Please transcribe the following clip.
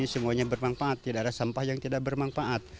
tidak ada sampah yang bermanfaat tidak ada sampah yang tidak bermanfaat